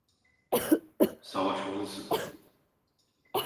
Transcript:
Savaşmalısın.